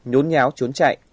nhốn nháo trốn chạy